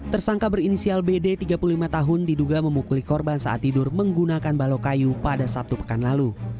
tersangka berinisial bd tiga puluh lima tahun diduga memukuli korban saat tidur menggunakan balok kayu pada sabtu pekan lalu